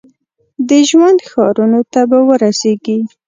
د ژوند ښارونو ته به ورسیږي ؟